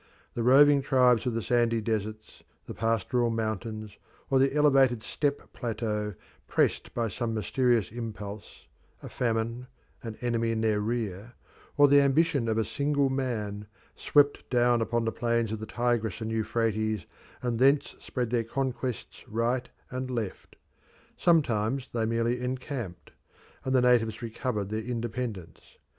The roving tribes of the sandy deserts, the pastoral mountains, or the elevated steppe plateaux pressed by some mysterious impulse a famine, an enemy in their rear, or the ambition of a single man swept down upon the plains of the Tigris and Euphrates, and thence spread their conquests right and left. Sometimes they merely encamped, and the natives recovered their independence.